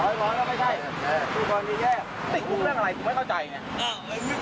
มึงเรื่องอะไรมึงไม่เข้าใจเนี่ย